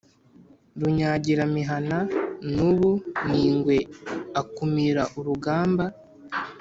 Runyagiramihana n'ubu ni ingwe, akumira urugamba,